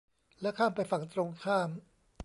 และข้ามไปฝั่งตรงข้าม